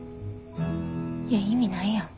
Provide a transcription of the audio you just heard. いや意味ないやん。